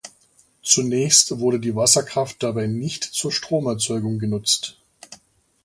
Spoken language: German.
Zunächst wurde die Wasserkraft dabei nicht zur Stromerzeugung genutzt.